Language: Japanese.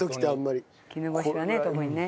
絹ごしはね特にね。